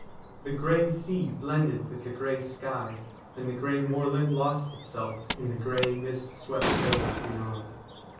The grey sea blended with the grey sky, and the grey moorland lost itself in the grey, mist swept hills beyond.